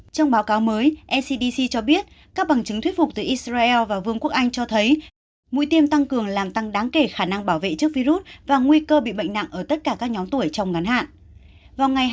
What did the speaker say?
trong báo cáo mới ncdc cho biết các bằng chứng thuyết phục từ israel và vương quốc anh cho thấy mũi tiêm tăng cường làm tăng đáng kể khả năng bảo vệ trước virus và nguy cơ bị bệnh nặng ở tất cả các nhóm tuổi trong ngắn hạn